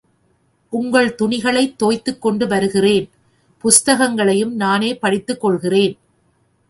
உங்கள் துணிகளைத் தோய்த்துக் கொண்டு வருகிறேன், புஸ்தகங்களையும் நானே படித்துக் கொள்கிறேன்.